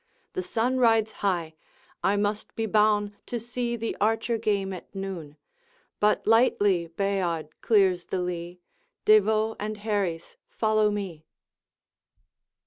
The sun rides high; I must be boune To see the archer game at noon; But lightly Bayard clears the lea. De Vaux and Herries, follow me.